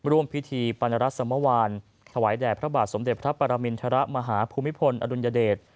ร่วมพิธีปรณรัฐสมวานถวายแด่พระบาทสมเด็จพระปรมินทรมาฮภูมิพลอดุลยเดช